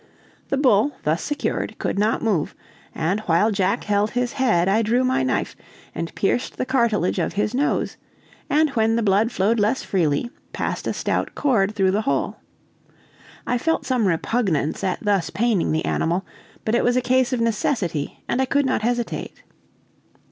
The bull, thus secured, could not move; and while Jack held his head I drew my knife and pierced the cartilage of his nose, and when the blood flowed less freely, passed a stout cord through the hole. I felt some repugnance at thus paining the animal, but it was a case of necessity, and I could not hesitate.